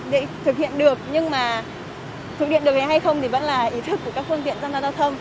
để thực hiện được nhưng mà thực hiện được hay không thì vẫn là ý thức của các phương tiện giao thông